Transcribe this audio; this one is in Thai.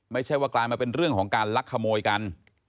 ไม่ใช่ว่ากลายมาเป็นเรื่องของการลักขโมยกัน